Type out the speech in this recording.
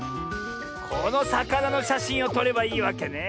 このさかなのしゃしんをとればいいわけね。